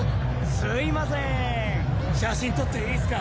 すいません写真撮っていいっすか？